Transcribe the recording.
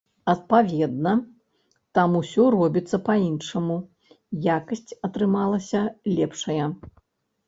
Адпаведна, там усё робіцца па-іншаму, якасць атрымалася лепшая.